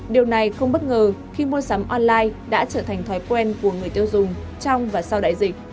điều này không bất ngờ khi mua sắm online đã trở thành thói quen của người tiêu dùng trong và sau đại dịch